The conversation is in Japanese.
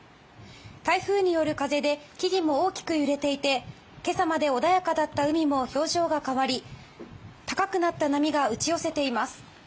台風による風で木々も大きく揺れていて今朝まで穏やかだった海も表情が変わり高くなった波が打ち寄せています。